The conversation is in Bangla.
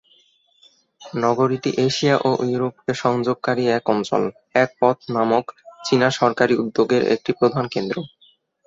নগরীটি এশিয়া ও ইউরোপকে সংযোগকারী এক অঞ্চল, এক পথ নামক চীনা সরকারী উদ্যোগের একটি প্রধান কেন্দ্র।